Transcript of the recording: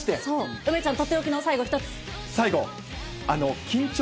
梅ちゃん、取って置きの最後最後。